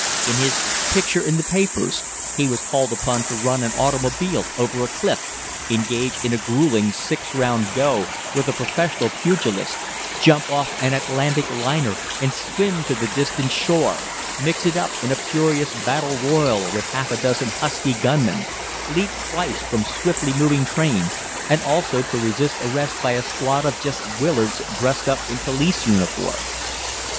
In "His Picture in the Papers," he was called upon to run an automobile over a cliff, engage in a grueling six round go with a professional pugilist, jump off an Atlantic liner and swim to the distant shore, mix it up in a furious battle royal with a half dozen husky gunmen, leap twice from swiftly moving trains, and also to resist arrest by a squad of Jess Willards dressed up in police uniforms.